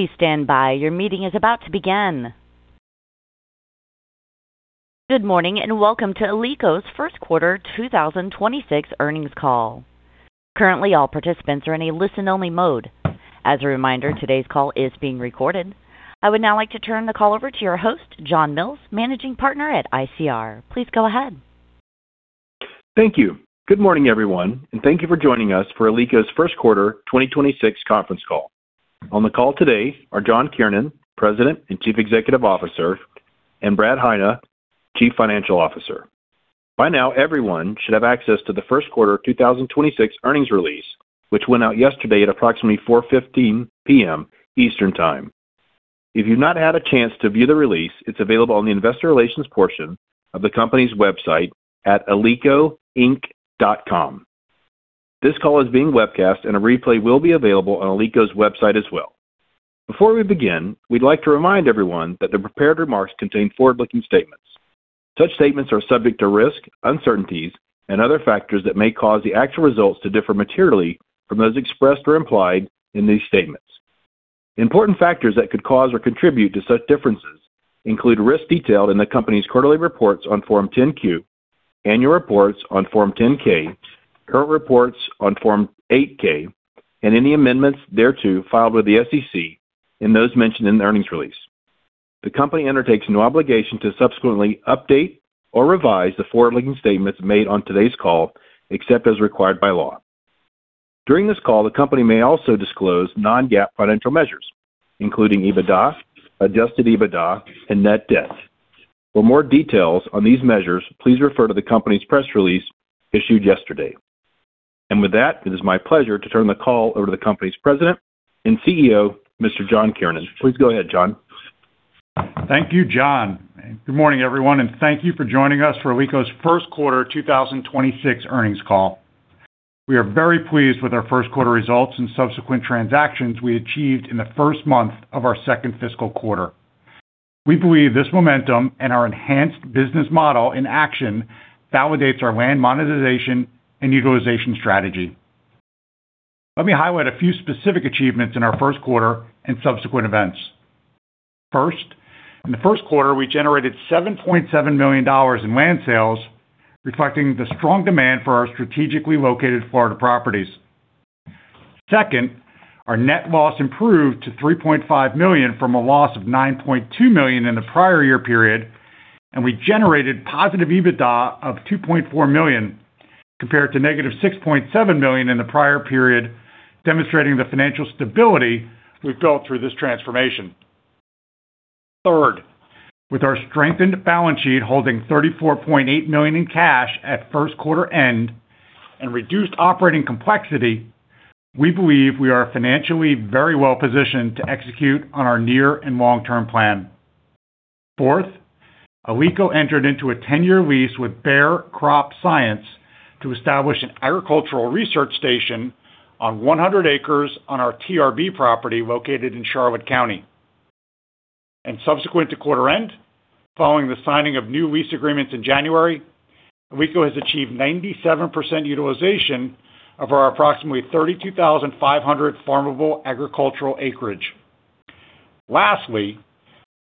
Please stand by. Your meeting is about to begin. Good morning, and welcome to Alico's First Quarter 2026 earnings call. Currently, all participants are in a listen-only mode. As a reminder, today's call is being recorded. I would now like to turn the call over to your host, John Mills, Managing Partner at ICR. Please go ahead. Thank you. Good morning, everyone, and thank you for joining us for Alico's First Quarter 2026 conference call. On the call today are John Kiernan, President and Chief Executive Officer, and Brad Heine, Chief Financial Officer. By now, everyone should have access to the first quarter 2026 earnings release, which went out yesterday at approximately 4:15 P.M. Eastern Time. If you've not had a chance to view the release, it's available on the investor relations portion of the company's website at alicoinc.com. This call is being webcast and a replay will be available on Alico's website as well. Before we begin, we'd like to remind everyone that the prepared remarks contain forward-looking statements. Such statements are subject to risk, uncertainties and other factors that may cause the actual results to differ materially from those expressed or implied in these statements. Important factors that could cause or contribute to such differences include risks detailed in the company's quarterly reports on Form 10-Q, annual reports on Form 10-K, current reports on Form 8-K, and any amendments thereto filed with the SEC and those mentioned in the earnings release. The company undertakes no obligation to subsequently update or revise the forward-looking statements made on today's call, except as required by law.... During this call, the company may also disclose non-GAAP financial measures, including EBITDA, Adjusted EBITDA, and net debt. For more details on these measures, please refer to the company's press release issued yesterday. And with that, it is my pleasure to turn the call over to the company's President and CEO, Mr. John Kiernan. Please go ahead, John. Thank you, John. Good morning, everyone, and thank you for joining us for Alico's first quarter 2026 earnings call. We are very pleased with our first quarter results and subsequent transactions we achieved in the first month of our second fiscal quarter. We believe this momentum and our enhanced business model in action validates our land monetization and utilization strategy. Let me highlight a few specific achievements in our first quarter and subsequent events. First, in the first quarter, we generated $7.7 million in land sales, reflecting the strong demand for our strategically located Florida properties. Second, our net loss improved to $3.5 million from a loss of $9.2 million in the prior year period, and we generated positive EBITDA of $2.4 million, compared to -$6.7 million in the prior period, demonstrating the financial stability we've built through this transformation. Third, with our strengthened balance sheet holding $34.8 million in cash at first quarter end and reduced operating complexity, we believe we are financially very well positioned to execute on our near and long-term plan. Fourth, Alico entered into a ten-year lease with Bayer Crop Science to establish an agricultural research station on 100 acres on our TRB property located in Charlotte County. Subsequent to quarter end, following the signing of new lease agreements in January, Alico has achieved 97% utilization of our approximately 32,500 farmable agricultural acreage. Lastly,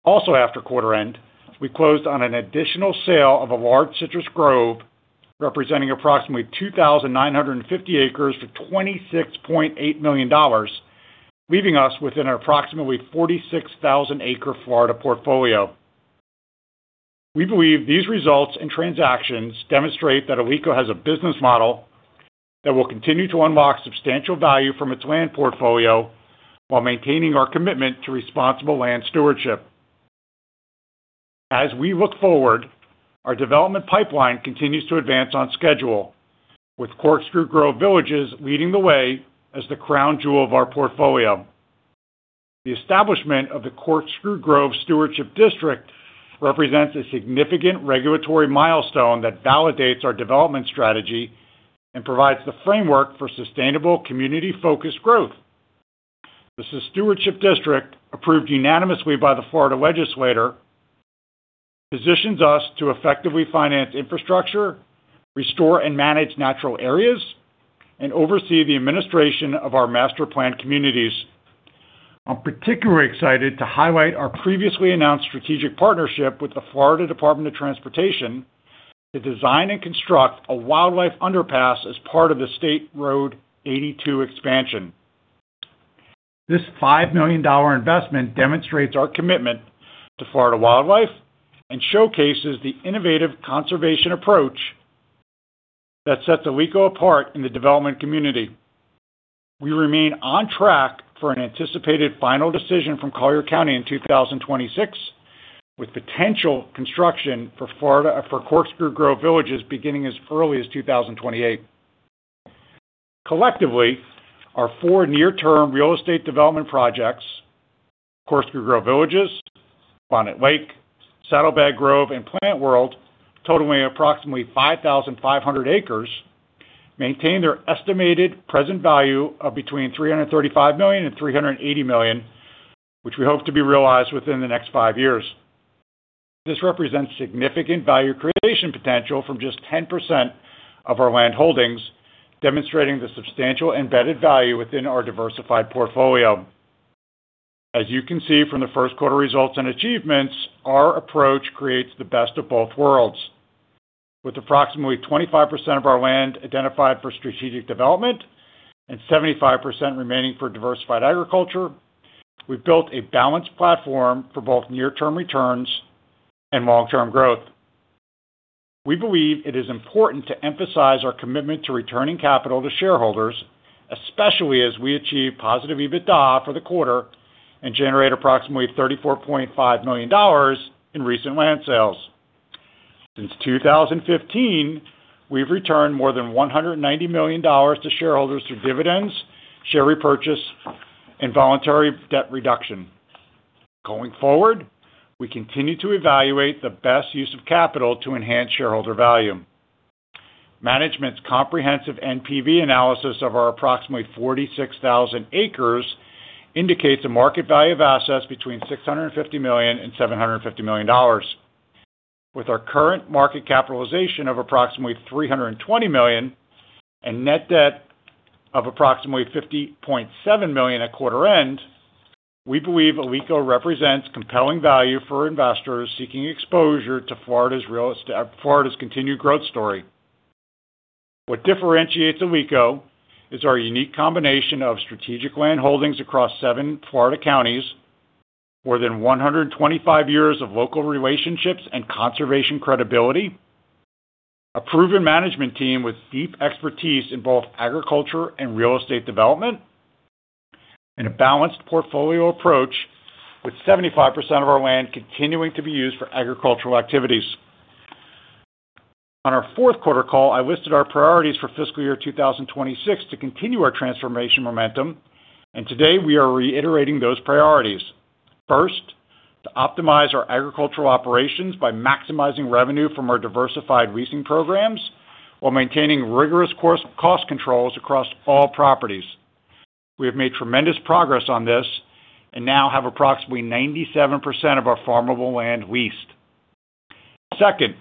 also after quarter end, we closed on an additional sale of a large citrus grove, representing approximately 2,950 acres for $26.8 million, leaving us with an approximately 46,000-acre Florida portfolio. We believe these results and transactions demonstrate that Alico has a business model that will continue to unlock substantial value from its land portfolio while maintaining our commitment to responsible land stewardship. As we look forward, our development pipeline continues to advance on schedule, with Corkscrew Grove Villages leading the way as the crown jewel of our portfolio. The establishment of the Corkscrew Grove Stewardship District represents a significant regulatory milestone that validates our development strategy and provides the framework for sustainable, community-focused growth. The Stewardship District, approved unanimously by the Florida Legislature, positions us to effectively finance infrastructure, restore and manage natural areas, and oversee the administration of our master planned communities. I'm particularly excited to highlight our previously announced strategic partnership with the Florida Department of Transportation to design and construct a wildlife underpass as part of the State Road 82 expansion. This $5 million investment demonstrates our commitment to Florida wildlife and showcases the innovative conservation approach that sets Alico apart in the development community. We remain on track for an anticipated final decision from Collier County in 2026, with potential construction for Corkscrew Grove Villages beginning as early as 2028. Collectively, our four near-term real estate development projects, Corkscrew Grove Villages, Bonnet Lake, Saddlebag Grove, and Plant World, totaling approximately 5,500 acres, maintain their estimated present value of between $335 million and $380 million, which we hope to be realized within the next five years. This represents significant value creation potential from just 10% of our land holdings, demonstrating the substantial embedded value within our diversified portfolio. As you can see from the first quarter results and achievements, our approach creates the best of both worlds. With approximately 25% of our land identified for strategic development and 75% remaining for diversified agriculture, we've built a balanced platform for both near-term returns and long-term growth. We believe it is important to emphasize our commitment to returning capital to shareholders, especially as we achieve positive EBITDA for the quarter and generate approximately $34.5 million in recent land sales. Since 2015, we've returned more than $190 million to shareholders through dividends, share repurchase, and voluntary debt reduction. Going forward, we continue to evaluate the best use of capital to enhance shareholder value. Management's comprehensive NPV analysis of our approximately 46,000 acres indicates a market value of assets between $650 million and $750 million. With our current market capitalization of approximately $320 million, and net debt of approximately $50.7 million at quarter end, we believe Alico represents compelling value for investors seeking exposure to Florida's continued growth story. What differentiates Alico is our unique combination of strategic land holdings across seven Florida counties, more than 125 years of local relationships and conservation credibility, a proven management team with deep expertise in both agriculture and real estate development, and a balanced portfolio approach, with 75% of our land continuing to be used for agricultural activities. On our fourth quarter call, I listed our priorities for fiscal year 2026 to continue our transformation momentum, and today we are reiterating those priorities. First, to optimize our agricultural operations by maximizing revenue from our diversified leasing programs, while maintaining rigorous cost controls across all properties. We have made tremendous progress on this and now have approximately 97% of our farmable land leased. Second,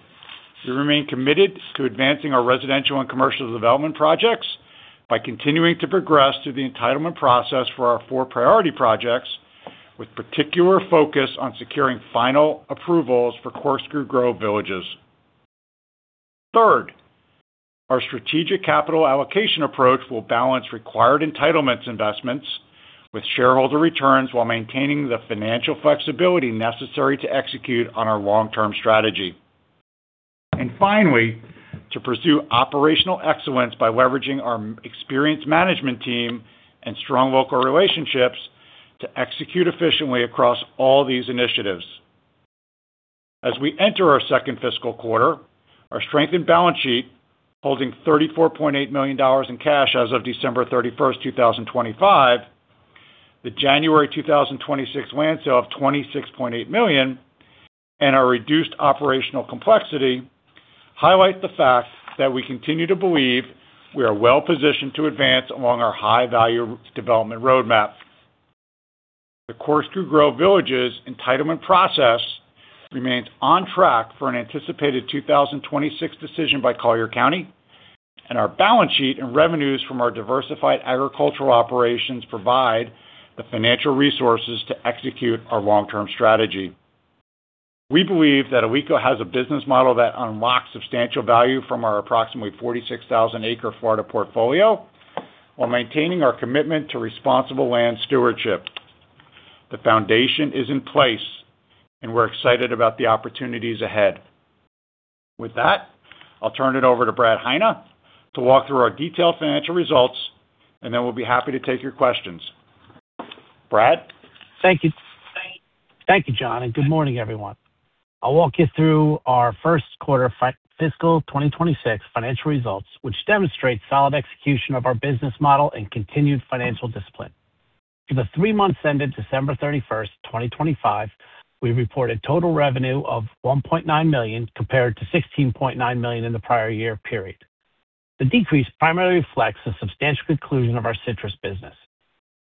we remain committed to advancing our residential and commercial development projects by continuing to progress through the entitlement process for our four priority projects, with particular focus on securing final approvals for Corkscrew Grove Villages. Third, our strategic capital allocation approach will balance required entitlements investments with shareholder returns, while maintaining the financial flexibility necessary to execute on our long-term strategy. And finally, to pursue operational excellence by leveraging our experienced management team and strong local relationships to execute efficiently across all these initiatives. As we enter our second fiscal quarter, our strengthened balance sheet, holding $34.8 million in cash as of December 31st, 2025, the January 2026 land sale of $26.8 million, and our reduced operational complexity, highlight the fact that we continue to believe we are well-positioned to advance along our high-value development roadmap. The Corkscrew Grove Villages entitlement process remains on track for an anticipated 2026 decision by Collier County, and our balance sheet and revenues from our diversified agricultural operations provide the financial resources to execute our long-term strategy. We believe that Alico has a business model that unlocks substantial value from our approximately 46,000-acre Florida portfolio, while maintaining our commitment to responsible land stewardship. The foundation is in place, and we're excited about the opportunities ahead. With that, I'll turn it over to Brad Heine, to walk through our detailed financial results, and then we'll be happy to take your questions. Brad? Thank you. Thank you, John, and good morning, everyone. I'll walk you through our first quarter fiscal 2026 financial results, which demonstrate solid execution of our business model and continued financial discipline. For the three months ended December 31st, 2025, we reported total revenue of $1.9 million, compared to $16.9 million in the prior year period. The decrease primarily reflects the substantial conclusion of our citrus business.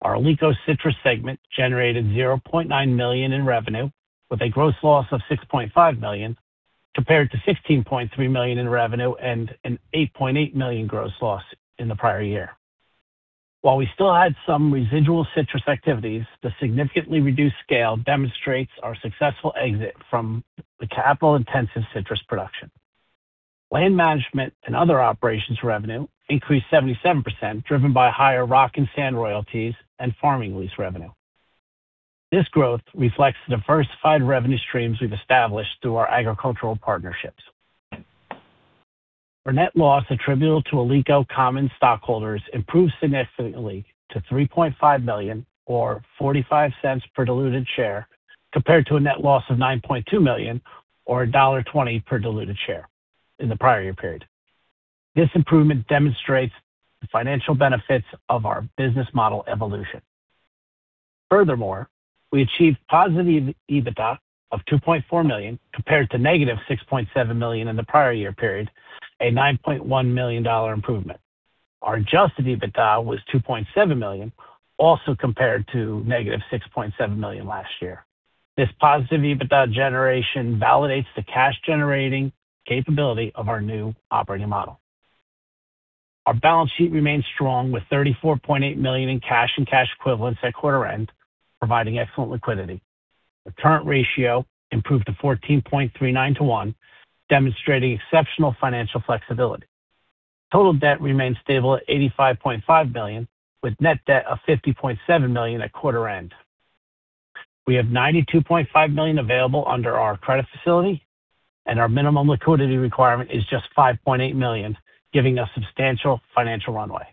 Our Alico Citrus segment generated $0.9 million in revenue, with a gross loss of $6.5 million, compared to $16.3 million in revenue and an $8.8 million gross loss in the prior year. While we still had some residual citrus activities, the significantly reduced scale demonstrates our successful exit from the capital-intensive citrus production. Land Management and Other Operations revenue increased 77%, driven by higher rock and sand royalties and farming lease revenue. This growth reflects the diversified revenue streams we've established through our agricultural partnerships. Our net loss attributable to Alico common stockholders improved significantly to $3.5 million or $0.45 per diluted share, compared to a net loss of $9.2 million or $1.20 per diluted share in the prior year period. This improvement demonstrates the financial benefits of our business model evolution. Furthermore, we achieved positive EBITDA of $2.4 million, compared to negative $6.7 million in the prior year period, a $9.1 million improvement. Our adjusted EBITDA was $2.7 million, also compared to negative $6.7 million last year. This positive EBITDA generation validates the cash-generating capability of our new operating model. Our balance sheet remains strong, with $34.8 million in cash and cash equivalents at quarter end, providing excellent liquidity. The current ratio improved to 14.39 to 1, demonstrating exceptional financial flexibility. Total debt remains stable at $85.5 million, with net debt of $50.7 million at quarter end. We have $92.5 million available under our credit facility, and our minimum liquidity requirement is just $5.8 million, giving us substantial financial runway.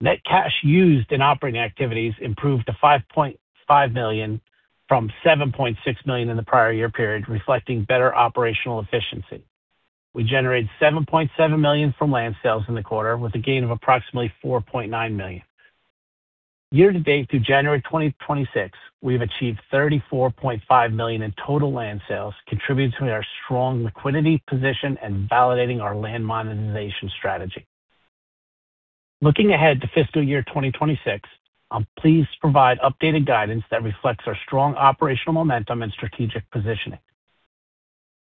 Net cash used in operating activities improved to $5.5 million from $7.6 million in the prior year period, reflecting better operational efficiency. We generated $7.7 million from land sales in the quarter, with a gain of approximately $4.9 million. Year to date, through January 2026, we've achieved $34.5 million in total land sales, contributing to our strong liquidity position and validating our land monetization strategy. Looking ahead to fiscal year 2026, I'm pleased to provide updated guidance that reflects our strong operational momentum and strategic positioning.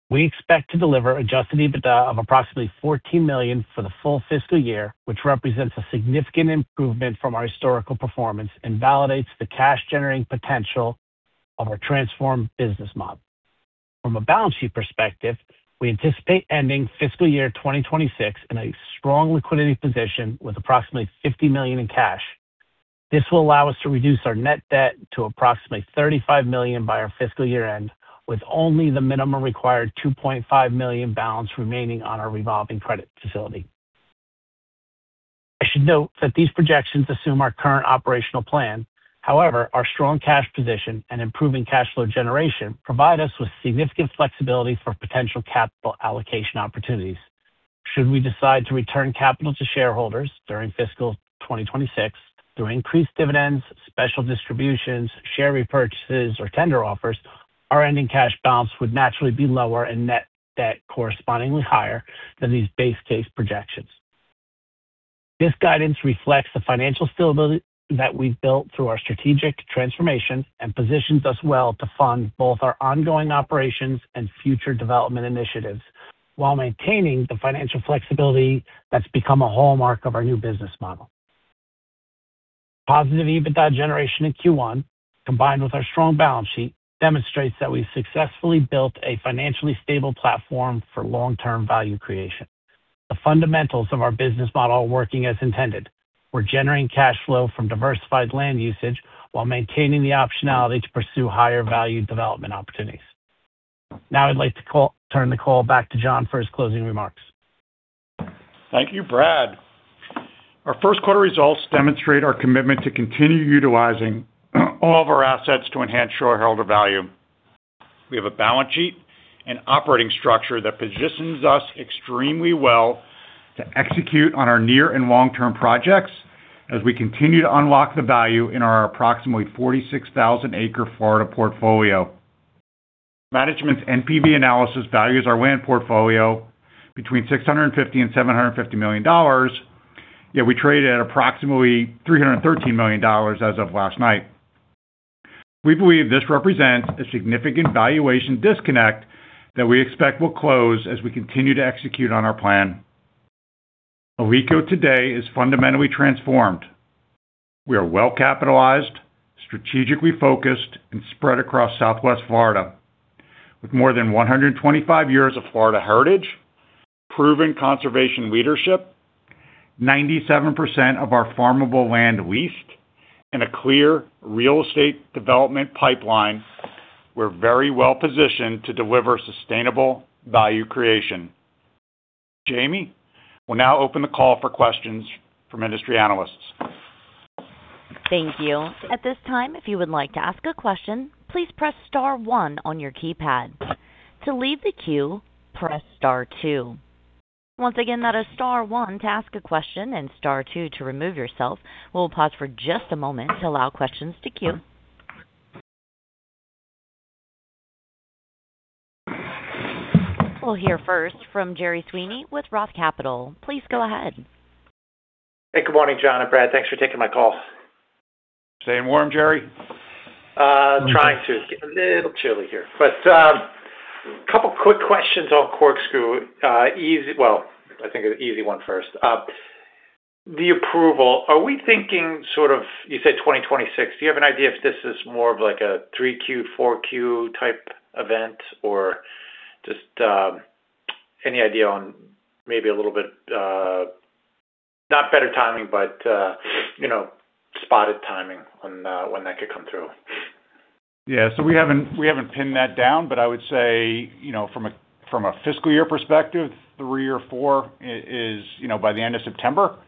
We expect to deliver adjusted EBITDA of approximately $14 million for the full fiscal year, which represents a significant improvement from our historical performance and validates the cash-generating potential of our transformed business model.... From a balance sheet perspective, we anticipate ending fiscal year 2026 in a strong liquidity position with approximately $50 million in cash. This will allow us to reduce our net debt to approximately $35 million by our fiscal year end, with only the minimum required $2.5 million balance remaining on our revolving credit facility. I should note that these projections assume our current operational plan. However, our strong cash position and improving cash flow generation provide us with significant flexibility for potential capital allocation opportunities. Should we decide to return capital to shareholders during fiscal 2026 through increased dividends, special distributions, share repurchases, or tender offers, our ending cash balance would naturally be lower and net debt correspondingly higher than these base case projections. This guidance reflects the financial stability that we've built through our strategic transformation and positions us well to fund both our ongoing operations and future development initiatives, while maintaining the financial flexibility that's become a hallmark of our new business model. Positive EBITDA generation in Q1, combined with our strong balance sheet, demonstrates that we've successfully built a financially stable platform for long-term value creation. The fundamentals of our business model are working as intended. We're generating cash flow from diversified land usage while maintaining the optionality to pursue higher value development opportunities. Now I'd like to turn the call back to John for his closing remarks. Thank you, Brad. Our first quarter results demonstrate our commitment to continue utilizing all of our assets to enhance shareholder value. We have a balance sheet and operating structure that positions us extremely well to execute on our near and long-term projects as we continue to unlock the value in our approximately 46,000-acre Florida portfolio. Management's NPV analysis values our land portfolio between $650 million and $750 million, yet we trade at approximately $313 million as of last night. We believe this represents a significant valuation disconnect that we expect will close as we continue to execute on our plan. Alico today is fundamentally transformed. We are well-capitalized, strategically focused, and spread across Southwest Florida. With more than 125 years of Florida heritage, proven conservation leadership, 97% of our farmable land leased, and a clear real estate development pipeline, we're very well positioned to deliver sustainable value creation. Jamie will now open the call for questions from industry analysts. Thank you. At this time, if you would like to ask a question, please press star one on your keypad. To leave the queue, press star two. Once again, that is star one to ask a question and star two to remove yourself. We'll pause for just a moment to allow questions to queue. We'll hear first from Gerry Sweeney with Roth Capital. Please go ahead. Hey, good morning, John and Brad. Thanks for taking my call. Staying warm, Gerry? Trying to. It's getting a little chilly here. But, couple quick questions on Corkscrew. Easy. Well, I think an easy one first. The approval, are we thinking sort of, you said 2026. Do you have an idea if this is more of like a 3Q, 4Q type event? Or just, any idea on maybe a little bit, not better timing, but, you know, spotted timing on, when that could come through? Yeah, so we haven't, we haven't pinned that down, but I would say, you know, from a, from a fiscal year perspective, three or four years, you know, by the end of September.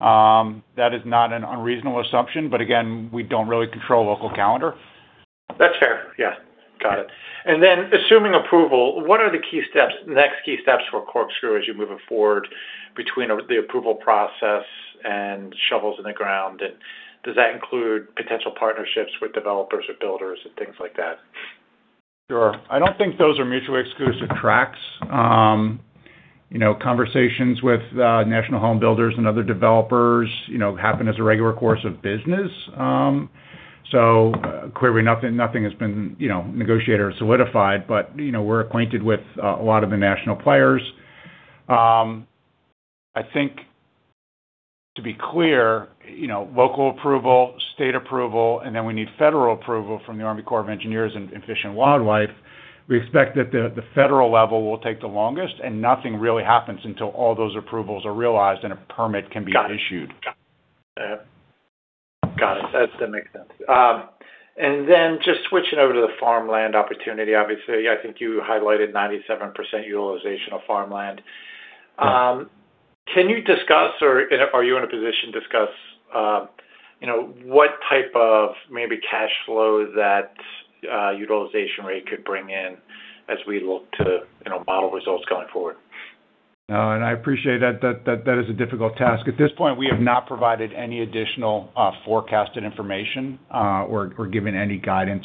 That is not an unreasonable assumption, but again, we don't really control local calendar. That's fair. Yeah, got it. And then, assuming approval, what are the key steps, next key steps for Corkscrew as you move forward between the approval process and shovels in the ground? And does that include potential partnerships with developers or builders and things like that? Sure. I don't think those are mutually exclusive tracks. You know, conversations with national home builders and other developers, you know, happen as a regular course of business. So clearly nothing, nothing has been, you know, negotiated or solidified, but, you know, we're acquainted with a lot of the national players. I think, to be clear, you know, local approval, state approval, and then we need federal approval from the Army Corps of Engineers and, and Fish and Wildlife. We expect that the, the federal level will take the longest, and nothing really happens until all those approvals are realized and a permit can be issued. Got it. Yeah. Got it. That makes sense. And then just switching over to the farmland opportunity. Obviously, I think you highlighted 97% utilization of farmland. Can you discuss or are you in a position to discuss, you know, what type of maybe cash flow that utilization rate could bring in as we look to, you know, model results going forward? No, and I appreciate that, that is a difficult task. At this point, we have not provided any additional forecasted information, or given any guidance.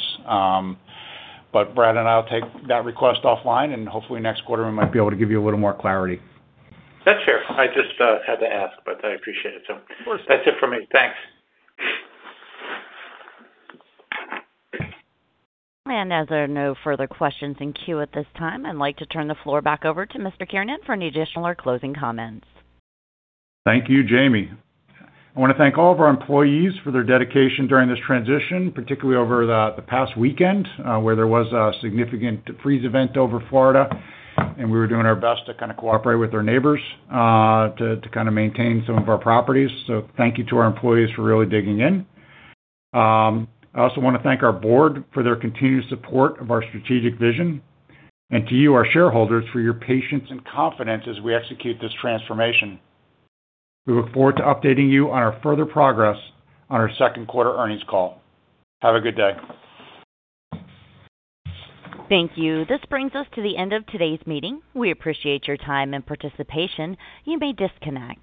But Brad and I will take that request offline, and hopefully next quarter, we might be able to give you a little more clarity. That's fair. I just had to ask, but I appreciate it. Of course. That's it for me. Thanks. As there are no further questions in queue at this time, I'd like to turn the floor back over to Mr. Kiernan for any additional or closing comments. Thank you, Jamie. I wanna thank all of our employees for their dedication during this transition, particularly over the past weekend, where there was a significant freeze event over Florida, and we were doing our best to kinda cooperate with our neighbors, to kinda maintain some of our properties. So thank you to our employees for really digging in. I also want to thank our board for their continued support of our strategic vision and to you, our shareholders, for your patience and confidence as we execute this transformation. We look forward to updating you on our further progress on our second quarter earnings call. Have a good day. Thank you. This brings us to the end of today's meeting. We appreciate your time and participation. You may disconnect.